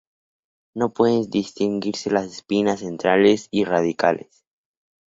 No pueden distinguirse las espinas centrales y radiales.